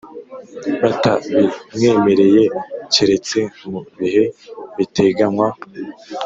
Batabimwemereye keretse mu bihe biteganywa